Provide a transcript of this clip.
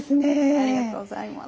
ありがとうございます。